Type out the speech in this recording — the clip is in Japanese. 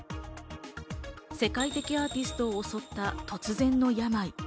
世界的アーティストを襲った突然の病。